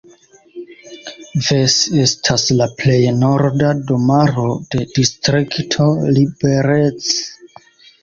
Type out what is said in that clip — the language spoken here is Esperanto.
Ves estas la plej norda domaro de distrikto Liberec.